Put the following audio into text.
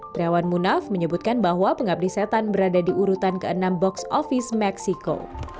triawan munaf menyebutkan bahwa pengabdi setan berada di urutan ke enam box office meksiko